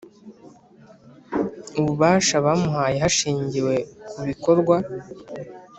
ububasha bamuhaye hashingiwe ku bikorwa